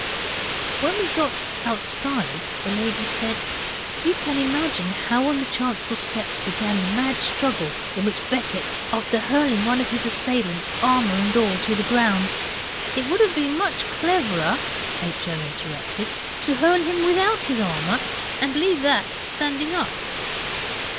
When we got outside the lady said, 'You can imagine how on the chancel steps began the mad struggle in which Becket, after hurling one of his assailants, armour and all, to the ground ' 'It would have been much cleverer,' H. O. interrupted, 'to hurl him without his armour, and leave that standing up.